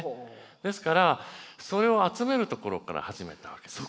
ですからそれを集めるところから始めたわけです。